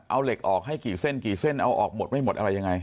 เอาเหล็กออกให้กี่เส้นกี่เส้นเอาออกหมดไม่หมดอะไรยังไง